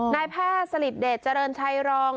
นายแพทย์สลิดเดชเจริญชัยรอง